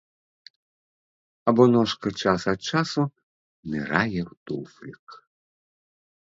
Або ножка час ад часу нырае ў туфлік.